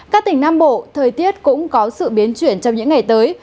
các tỉnh nam bộ thời tiết cũng có sự biến chuyển trong những ngày tới